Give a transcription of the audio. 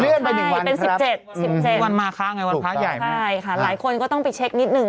เลื่อนไป๑วันครับสิบเจ็ดสิบเจ็ดถูกตายมากใช่ค่ะหลายคนก็ต้องไปเช็คนิดหนึ่ง